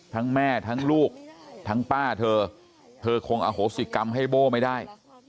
แม่ทั้งลูกทั้งป้าเธอเธอคงอโหสิกรรมให้โบ้ไม่ได้